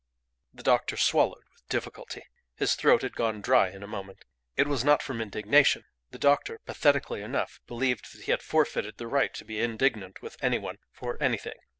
The doctor swallowed with difficulty. His throat had gone dry in a moment. It was not from indignation. The doctor, pathetically enough, believed that he had forfeited the right to be indignant with any one for anything.